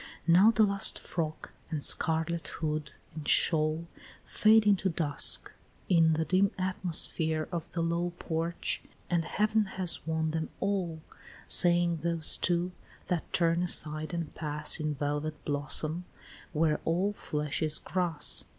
Now the last frock, and scarlet hood, and shawl Fade into dusk, in the dim atmosphere Of the low porch, and heav'n has won them all, Saying those two, that turn aside and pass, In velvet blossom, where all flesh is grass.